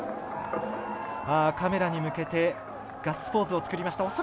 カメラに向けてガッツポーズを作りました。